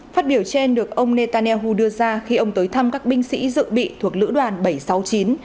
phát biểu trên được ông netanyahu đưa ra khi ông tới thăm các binh sĩ dự bị thuộc lữ đoàn bảy trăm sáu mươi chín